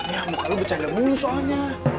ya muka lo bercanda mulu soalnya